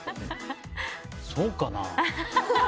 そうかな。